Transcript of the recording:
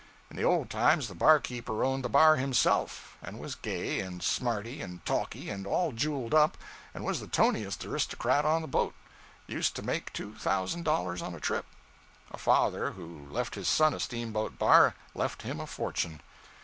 In the old times the barkeeper owned the bar himself, 'and was gay and smarty and talky and all jeweled up, and was the toniest aristocrat on the boat; used to make $2,000 on a trip. A father who left his son a steamboat bar, left him a fortune.